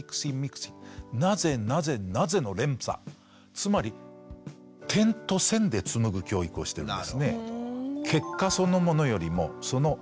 つまり点と線で紡ぐ教育をしてるんですね。